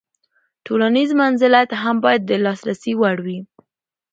تولنیز منزلت هم باید د لاسرسي وړ وي.